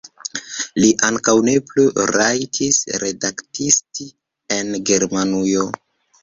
Li ankaŭ ne plu rajtis redaktisti en Germanujo.